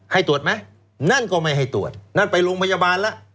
ให้ตรวจไหมนั่นก็ไม่ให้ตรวจนั่นไปโรงพยาบาลแล้ว